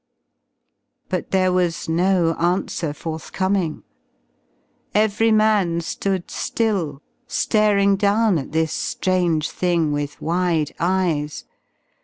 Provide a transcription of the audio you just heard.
But there was no answer forthcoming. Every man stood still staring down at this strange thing with wide eyes.